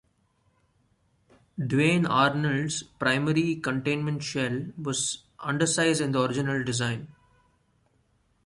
Duane Arnold's primary containment shell was undersized in the original design.